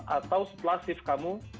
atau setelah shift kamu